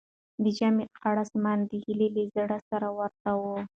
د ژمي خړ اسمان د هیلې له زړه سره ورته و.